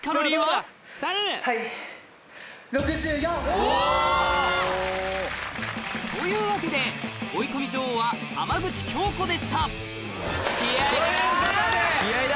お！というわけで追い込み女王は浜口京子でした気合だ！